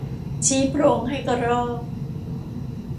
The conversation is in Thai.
ชี้โพรงให้กระรอก